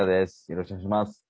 よろしくお願いします。